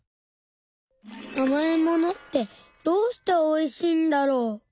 あまいものってどうしておいしいんだろう。